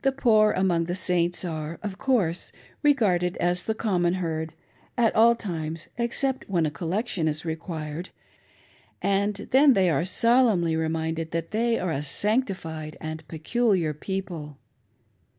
JOI poor among the Saints are, of course, regarded as the common herd, at all times, except when a collection is required, and Ihen they are solemnly reminded that they are a sanctified and peculiar people.